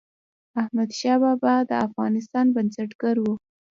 احمدشاه بابا د افغانستان بنسټګر و.